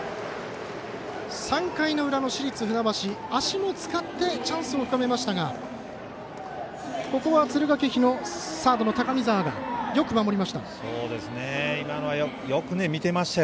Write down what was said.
３回の裏の市立船橋足も使ってチャンスも作りましたがここは敦賀気比のサードの高見澤よく守りました。